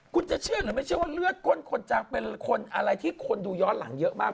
คุณจะเชื่อหรือไม่เชื่อว่าเลือดก้นคนจังเป็นคนอะไรที่คนดูย้อนหลังเยอะมาก